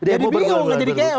jadi bingung nggak jadi keo